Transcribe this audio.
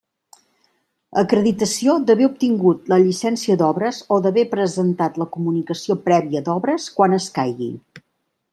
Acreditació d'haver obtingut la llicència d'obres o haver presentat la comunicació prèvia d'obres quan escaigui.